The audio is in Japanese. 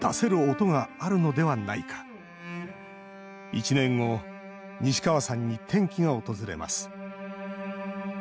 １年後西川さんに転機が訪れます。